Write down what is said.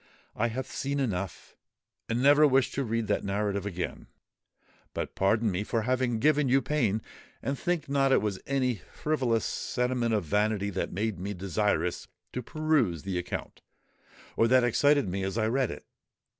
"I have seen enough—and never wish to read that narrative again. But pardon me for having given you pain; and think not it was any frivolous sentiment of vanity that made me desirous to peruse the account, or that excited me as I read it.